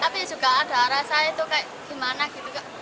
tapi juga ada rasa itu kayak gimana gitu kak